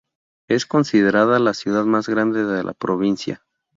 Es considerada la ciudad más grande de la provincia.